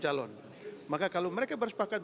calon maka kalau mereka bersepakat